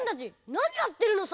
なにやってるのさ！